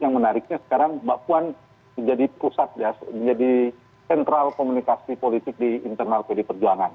yang menariknya sekarang mbak puan menjadi pusat jadi sentral komunikasi politik di internal perjuangan